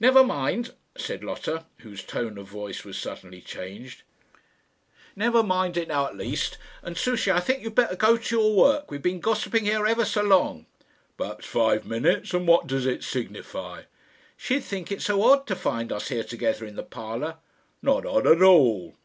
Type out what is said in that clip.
"Never mind," said Lotta, whose tone of voice was suddenly changed. "Never mind it now at least. And, Souchey, I think you'd better go to your work. We've been gossiping here ever so long." "Perhaps five minutes; and what does it signify?" "She'd think it so odd to find us here together in the parlour." "Not odd at all."